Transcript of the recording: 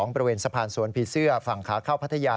บริเวณสะพานสวนผีเสื้อฝั่งขาเข้าพัทยา